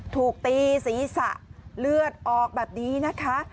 ถูกตีศีรษะเลือดออกแบบนี้นะคะ